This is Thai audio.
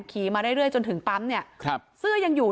ขี่มาเรื่อยจนถึงปั๊มเนี่ยครับเสื้อยังอยู่